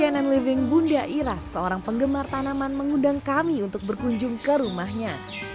cnn living bunda iras seorang penggemar tanaman mengundang kami untuk berkunjung ke rumahnya